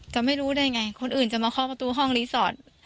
จะไม่รู้ได้ไงคนอื่นจะมาเคาะประตูห้องรีสอร์ท